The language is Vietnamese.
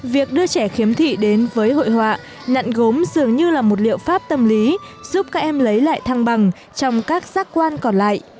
việc đưa trẻ khiếm thị đến với hội họa nhặn gốm dường như là một liệu pháp tâm lý giúp các em lấy lại thăng bằng trong các giác quan còn lại